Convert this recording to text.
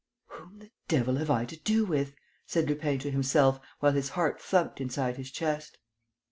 "Whom the devil have I to do with?" said Lupin to himself, while his heart thumped inside his chest.